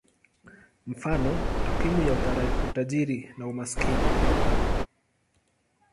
Mfano: takwimu ya utajiri na umaskini.